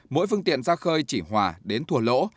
mỗi phương tiện ra khơi chỉ hòa đến thùa lỗ